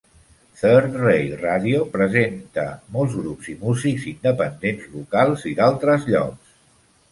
Third Rail Radio presenta molts grups i músics independents locals i d'altres llocs.